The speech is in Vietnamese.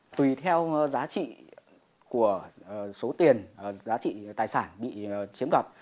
tùy theo giá trị của số tiền giá trị tài sản bị chiếm đoạt